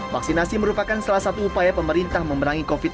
vaksinasi merupakan salah satu upaya pemerintah memerangi covid sembilan belas